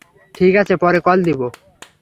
ঠিক আছে, পরে কল দিব।